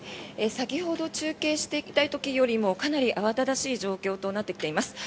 先ほど中継していた時よりもかなり、慌ただしい状況となってきています。